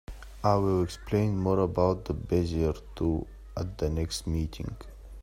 I will explain more about the Bezier tool at the next meeting.